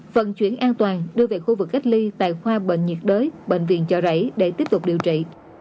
vận chuyển an toàn đưa về khu vực cách ly tại khoa bệnh nhiệt đới bệnh viện chợ rẫy để tiếp tục điều trị